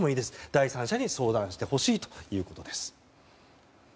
第三者に相談してほしいということです。